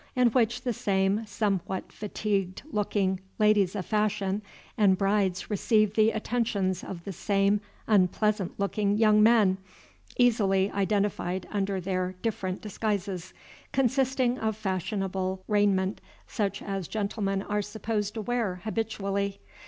in which the same somewhat fatigued looking ladies of fashion and brides received the attentions of the same unpleasant looking young men, easily identified under their different disguises, consisting of fashionable raiment such as gentlemen are supposed to wear habitually.